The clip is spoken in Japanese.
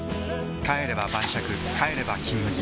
帰れば晩酌帰れば「金麦」